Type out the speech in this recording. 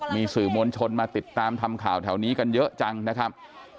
มีสื่อมวลชนมาติดตามทำข่าวแถวนี้กันเยอะจังนะครับ